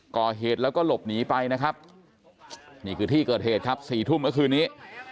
ก่อเหตุแล้วก็หลบหนีไปนะครับนี่คือที่เกิดเหตุครับ๔ทุ่มเมื่อคืนนี้